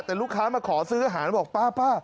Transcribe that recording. แต่ลูกค้ามาขอซื้ออาหารบอกป้า